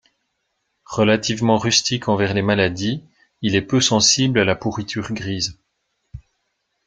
Relativement rustique envers les maladies, il est peu sensible à la pourriture grise.